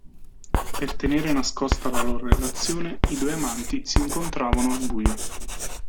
Per tenere nascosta la loro relazione i due amanti si incontravano al buio.